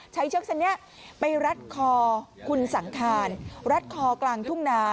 เชือกเส้นนี้ไปรัดคอคุณสังคารรัดคอกลางทุ่งนา